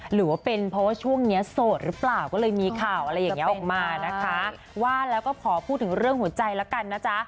หรือว่าเป็นเพราะว่าช่วงเนี้ยโสดหรือเปล่าก็เลยมีข่าวอะไรอย่างเงี้ออกมานะคะว่าแล้วก็ขอพูดถึงเรื่องหัวใจแล้วกันนะจ๊ะ